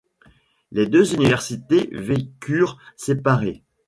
Les deux universités vécurent séparées.